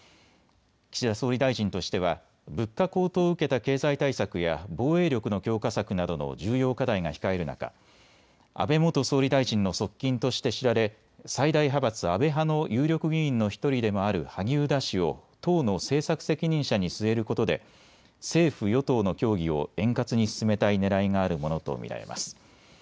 岸田総理大臣としては物価高騰を受けた経済対策や防衛力の強化策などの重要課題が控える中安倍元総理大臣の側近として知られ最大派閥、安倍派の有力議員の１人でもある萩生田氏を党の政策責任者に据えることで政府与党の協議を円滑に進めたいねらいがあるものと見られます。